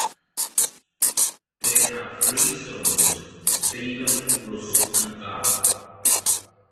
They had three sons: Steven, Russ, and Val.